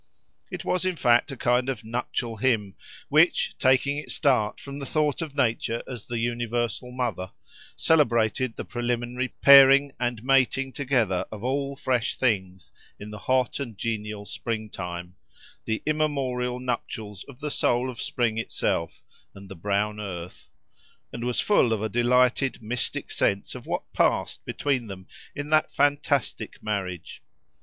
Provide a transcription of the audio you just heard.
It was in fact a kind of nuptial hymn, which, taking its start from the thought of nature as the universal mother, celebrated the preliminary pairing and mating together of all fresh things, in the hot and genial spring time—the immemorial nuptials of the soul of spring itself and the brown earth; and was full of a delighted, mystic sense of what passed between them in that fantastic marriage.